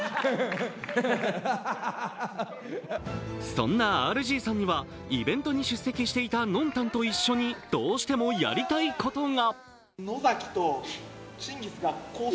そんなＲＧさんには、イベントに出席していたノンタンと一緒にどうしてもやりたいことが。